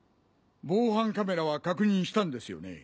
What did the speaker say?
防犯カメラは確認したんですよね？